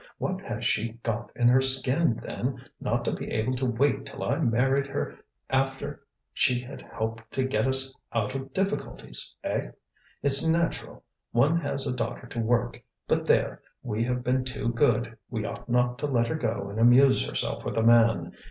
What has she got in her skin, then, not to be able to wait till I married her after she had helped to get us out of difficulties? Eh? it's natural, one has a daughter to work. But there! we have been too good, we ought not to let her go and amuse herself with a man.